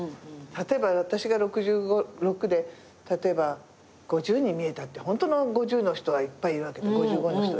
私が６６で例えば５０に見えたってホントの５０の人はいっぱいいるわけで。